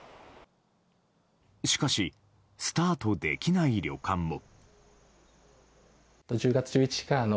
しかし、スタートできない旅館も。